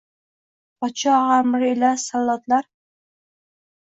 Podshoh amri ila sallotlar